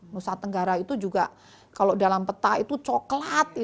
nusa tenggara itu juga kalau dalam peta itu coklat